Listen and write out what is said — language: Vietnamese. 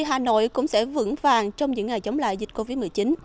hà nội cũng sẽ vững vàng trong những ngày chống lại dịch covid một mươi chín